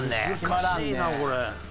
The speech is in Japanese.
難しいなこれ。